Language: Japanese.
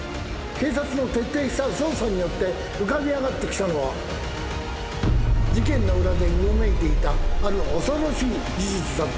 警察の徹底した捜査によって浮かび上がってきたのは事件の裏でうごめいていた。